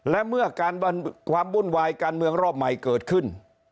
และเมื่อความวุ่นวายการเมืองรอบใหม่เกิดขึ้น